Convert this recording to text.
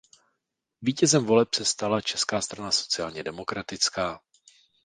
Vítězem voleb se stala Česká strana sociálně demokratická.